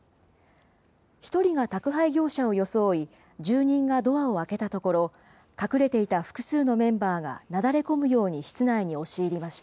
１人が宅配業者を装い、住人がドアを開けたところ、隠れていた複数のメンバーがなだれ込むように室内に押し入りました。